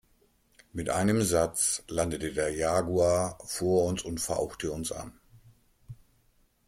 Mit einem Satz landete der Jaguar vor uns und fauchte uns an.